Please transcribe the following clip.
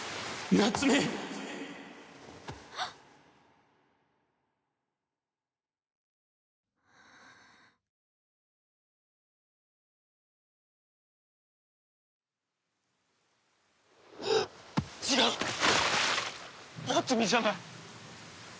夏美じゃない。